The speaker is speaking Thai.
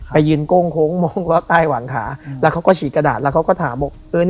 ไปยืนก้งโค้งมองรอดใต้หว่างขาแล้วเค้าก็ฉีกกระดาษแล้วเค้าก็ถาม